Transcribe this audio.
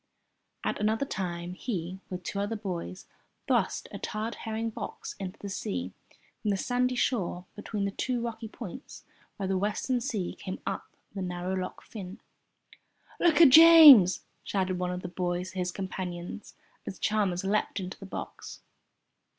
At another time he, with two other boys, thrust a tarred herring box into the sea from the sandy shore between the two rocky points where the western sea came up the narrow Loch Fyne. "Look at James!" shouted one of the boys to his companions as Chalmers leapt into the box.